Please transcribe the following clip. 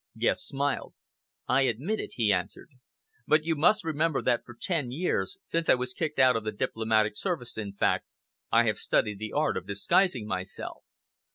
Guest smiled. "I admit it," he answered; "but you must remember that for ten years, since I was kicked out of the diplomatic service in fact, I have studied the art of disguising myself.